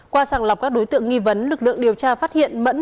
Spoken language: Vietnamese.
qua sàng lọc các đối tượng nghi vấn lực lượng điều tra phát hiện mẫn